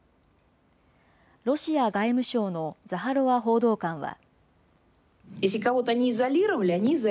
ロシア外務省のザハロワ報道官は。